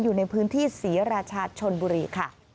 อยู่ในพื้นที่ศรีราชาชนบุรีค่ะ